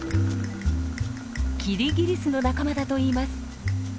キリギリスの仲間だといいます。